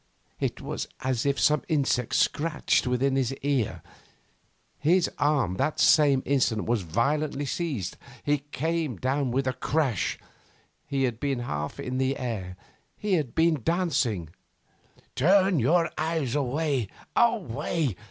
It was as if some insect scratched within his ear. His arm, that same instant, was violently seized. He came down with a crash. He had been half in the air. He had been dancing. 'Turn your eyes away, away!